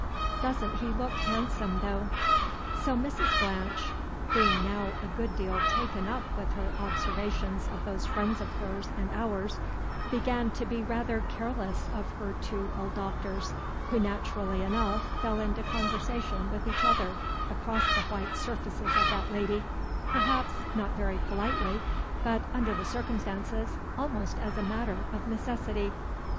Does n't he look handsome, though?" So Mrs. Blanche, being now a good deal taken up with her observations of those friends of hers and ours, began to be rather careless of her two old Doctors, who naturally enough fell into conversation with each other across the white surfaces of that lady, perhaps not very politely, but, under the circumstances, almost as a matter of necessity.